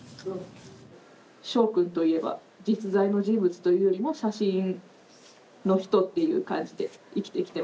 しょうくんといえば実在の人物というよりも写真の人っていう感じで生きてきてました。